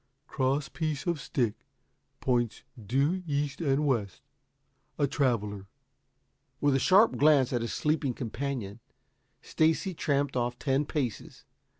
Cross piece on stick, points due east and west. A Traveler.'" With a sharp glance at his sleeping companion, Stacy tramped off ten paces.